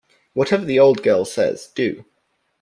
Whatever the old girl says, do.